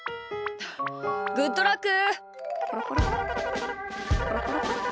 グッドラック！